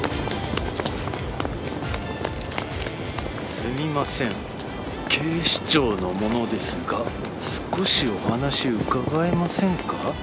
「すみません警視庁の者ですが少しお話伺えませんか」？